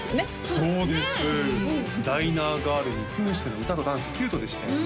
そうですダイナーガールに扮しての歌とダンスキュートでしたよね